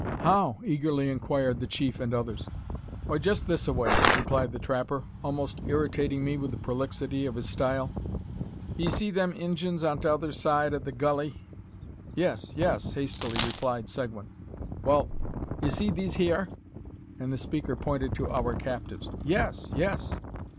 how?" eagerly inquired the chief and others. "Why, jest this a way," replied the trapper, almost irritating me with the prolixity of his style. "'Ee see them Injuns on t'other side o' the gulley?" "Yes, yes," hastily replied Seguin. "Wal; 'ee see these hyur?" and the speaker pointed to our captives. "Yes, yes!"